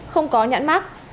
không có nhãn mát